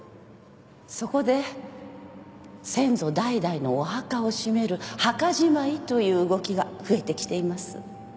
そこで先祖代々のお墓をしめる墓じまいという動きが増えてきています。